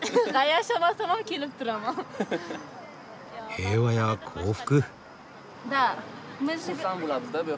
平和や幸福。